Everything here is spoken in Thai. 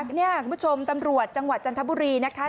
นี่คุณผู้ชมตำรวจจังหวัดจันทบุรีนะคะ